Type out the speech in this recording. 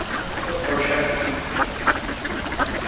তোমার উপর ভরসা রাখছি।